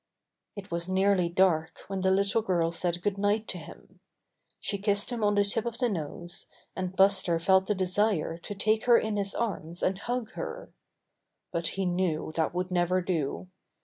It was nearly dark when the little girl said good night to him. She kissed him on the tip of the nose, and Buster felt a desire to take her in his arms and hug her. But he knew that would never do.